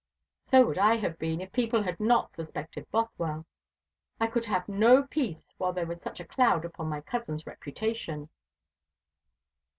"So would I have been, if people had not suspected Bothwell. I could have no peace while there was such a cloud upon my cousin's reputation."